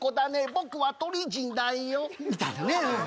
僕は鳥人だよみたいなねうん